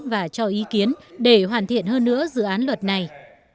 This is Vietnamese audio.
và cho ý kiến để hoàn thiện hơn nữa dự án luật này